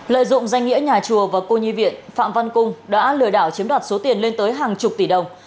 lợi dụng danh nghĩa nhà chùa và cô nhi viện phạm văn cung đã lừa đảo chiếm đoạt số tiền lên tới hàng chục tỷ đồng